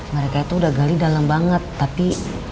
mereka itu udah gali dalam banget tapi